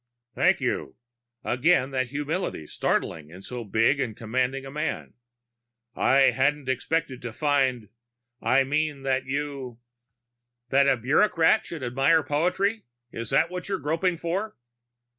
"Thank you." Again that humility, startling in so big and commanding a man. "I hadn't expected to find I mean that you " "That a bureaucrat should admire poetry? Is that what you're groping for?"